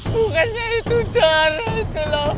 bunganya itu darah itu loh